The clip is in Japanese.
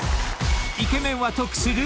［イケメンは得する？